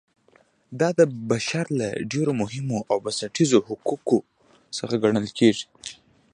دا د بشر له ډېرو مهمو او بنسټیزو حقونو څخه ګڼل کیږي.